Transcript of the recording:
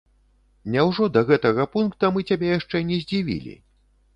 Няўжо да гэтага пункта мы цябе яшчэ не здзівілі?